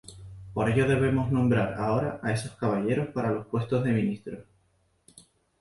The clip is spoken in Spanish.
Por ello debemos nombrar ahora a esos caballeros para los puestos de ministros.